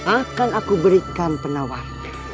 akan aku berikan penawar